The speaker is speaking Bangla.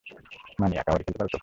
মানিয়া, কাবাডি খেলতে পারো তো?